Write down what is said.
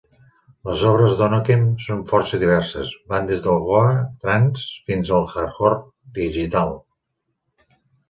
Les obres d'Onoken són força diverses, van des del goa trance fins al hardcore digital.